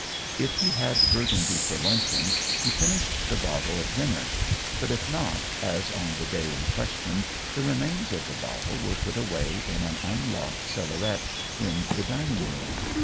If he had Burgundy for luncheon he finished the bottle at dinner; but if not, as on the day in question, the remains of the bottle were put away in an unlocked cellaret in the dining room.